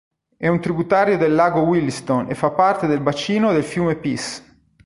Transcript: È un tributario del lago Williston e fa parte del bacino del fiume Peace.